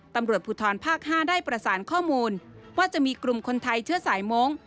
ตำรวจภูทรภาค๕ได้ประสานข้อมูลว่าจะมีกลุ่มคนไทยเชื้อสายมงค์